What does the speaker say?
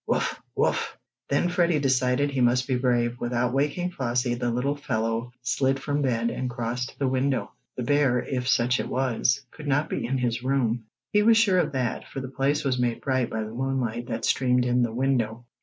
"Wuff! Wuff!" Then Freddie decided he must be brave. Without waking Flossie, the little fellow slid from bed, and crossed to the window. The bear, if such it was, could not be in his room. He was sure of that, for the place was made bright by the moonlight that streamed in the window.